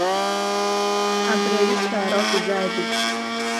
Абри аҩысҭаара ауп еизааигәазтәыз.